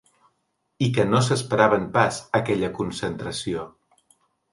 I que no s’esperaven pas aquella concentració.